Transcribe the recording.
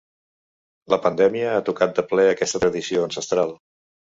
La pandèmia ha tocat de ple aquesta tradició ancestral.